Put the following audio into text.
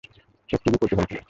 সে খুবই কৌতুকপ্রিয়।